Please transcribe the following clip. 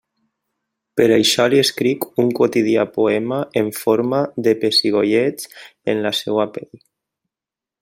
Per això li escric un quotidià poema en forma de pessigolleig en la seua pell.